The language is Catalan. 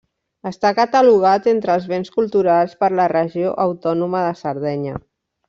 Està catalogat entre els Béns Culturals per la Regió Autònoma de Sardenya.